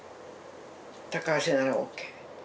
高橋姓ならＯＫ。